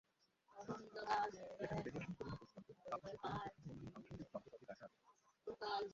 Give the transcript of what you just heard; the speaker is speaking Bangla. যেখানে রেডিয়েশন পরিমাপক যন্ত্র, তাপমাত্রা পরিমাপকসহ অন্যান্য আনুষঙ্গিক যন্ত্রপাতি রাখা আছে।